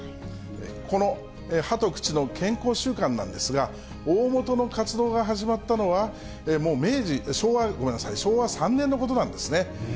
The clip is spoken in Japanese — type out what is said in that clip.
この歯と口の健康週間なんですが、大本の活動が始まったのは、もう昭和３年のことなんですね。